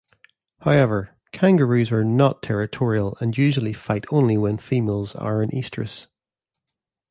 However, kangaroos are not territorial and usually fight only when females are in estrous.